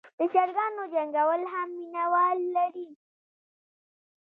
د چرګانو جنګول هم مینه وال لري.